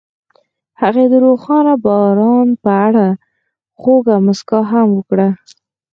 هغې د روښانه باران په اړه خوږه موسکا هم وکړه.